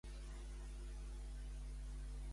Quan van vèncer als orcs?